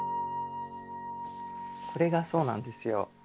これがそうなんですよ。